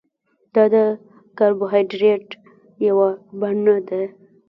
دا د کاربوهایډریټ یوه بڼه ده